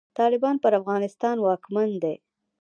طالبان پر افغانستان واکمن دی.